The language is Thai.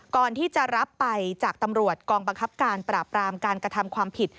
ก่อนที่จะรับไปจากตำรวจกองบังคับการปราบรามการกระทำความผิด